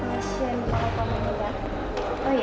pasien pak mahendra